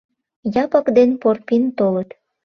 Япык ден Порпин толыт.